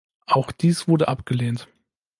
Auch dies wurde abgelehnt.